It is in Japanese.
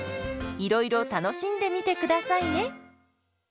いろいろ楽しんでみてくださいね。